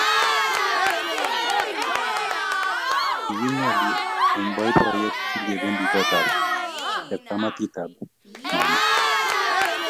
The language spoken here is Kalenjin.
Kikingolye eng boiboiyet kingebendi kotab chepkamitab mama